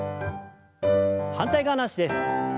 反対側の脚です。